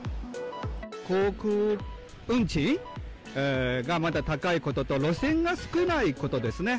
航空運賃がまだ高いことと、路線が少ないことですね。